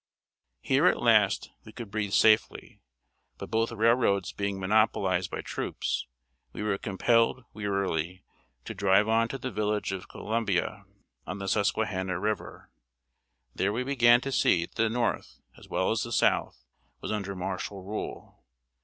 ] Here, at last, we could breathe freely. But both railroads being monopolized by troops, we were compelled, wearily, to drive on to the village of Columbia, on the Susquehanna river. There we began to see that the North, as well as the South, was under martial rule.